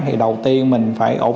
thì đầu tiên mình phải ổn định